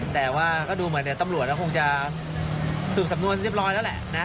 แต่ว่าก็ดูเหมือนเดี๋ยวตำรวจก็คงจะสืบสำนวนเรียบร้อยแล้วแหละนะ